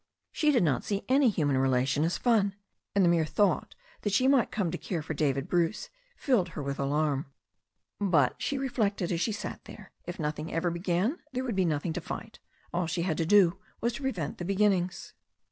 She did not see any human relation as fun. And the mere thought that she might come to care for David Bruce filled her with alarm. But, she reflected as she sat there, if nothing ever began there would be nothing to fight. All she had to do was to prevent the beginnings.